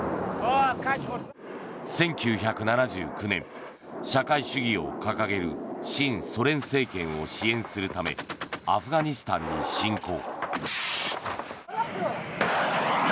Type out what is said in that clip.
１９７９年社会主義を掲げる親ソ連政権を支援するためアフガニスタンに侵攻。